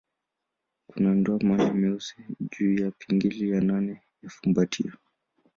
Kuna madoa manne meusi juu ya pingili ya nane ya fumbatio.